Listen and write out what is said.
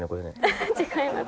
違います。